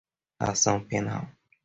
ação penal